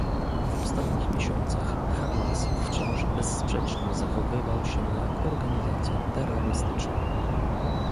W ostatnich miesiącach Hamas wciąż bezsprzecznie zachowywał się jak organizacja terrorystyczna